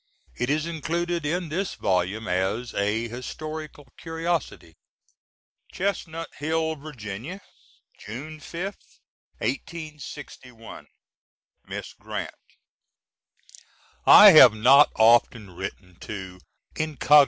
It is included in this volume as a historical curiosity.] Chestnut Hill, Va., June 5th, 1861. MISS GRANT: I have not often written to "incog."